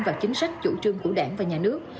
vào chính sách chủ trương của đảng và nhà nước